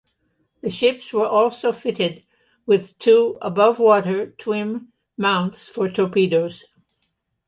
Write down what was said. The ships were also fitted with two above-water twin mounts for torpedoes.